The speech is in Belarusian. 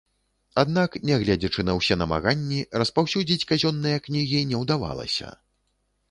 Аднак, нягледзячы на ўсе намаганні, распаўсюдзіць казённыя кнігі не ўдавалася.